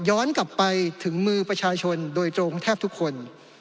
กลับไปถึงมือประชาชนโดยตรงแทบทุกคน